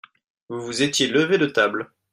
Vous vous étiez levé de table.